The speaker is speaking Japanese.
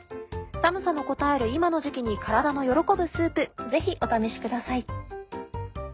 寒さのこたえる今の時期に体の喜ぶスープぜひお試しください。